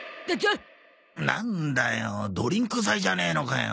なんだよドリンク剤じゃねえのかよ。